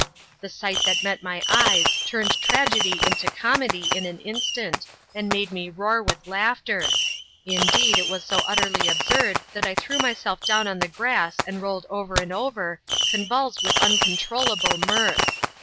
The sight that met my eyes turned tragedy into comedy in an instant, and made me roar with laughter; indeed, it was so utterly absurd that I threw myself down on the grass and rolled over and over, convulsed with uncontrollable mirth.